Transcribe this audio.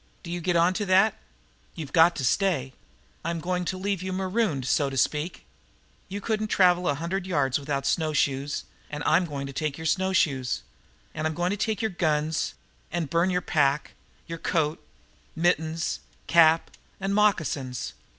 Do you get onto that? You've GOT to stay. I'm going to leave you marooned, so to speak. You couldn't travel a hundred yards out there without snowshoes, and I'm goin' to take your snowshoes. And I'm goin' to take your guns, and burn your pack, your coat, mittens, cap, an' moccasins.